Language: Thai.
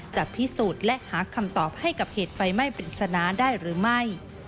จะพิสูจน์และหาคำตอบให้กับเหตุไฟไหม้ปริศนาได้หรือไม่